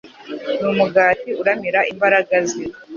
n’umugati uramira imbaraga ze